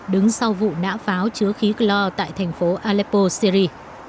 đứng sau vụ nã pháo chứa khí clor tại thành phố aleppo syri